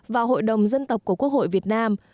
và hội đồng dân tộc của quốc hội việt nam